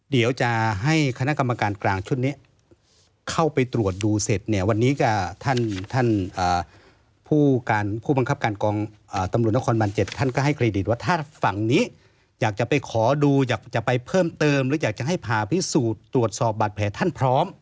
เดี๋ยวจะให้คณะกรรมการกลางชุดนี้เข้าไปตรวจดูเสร็จเนี่ยวันนี้ก็ท่านผู้การผู้บังคับการกองตำรวจนครบัน๗ท่านก็ให้เครดิตว่าถ้าฝั่งนี้อยากจะไปขอดูอยากจะไปเพิ่มเติมหรืออยากจะให้ผ่าพิสูจน์ตรวจสอบบาดแผลท่านพร้อม